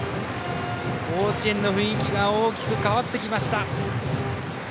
甲子園の雰囲気が大きく変わってきました。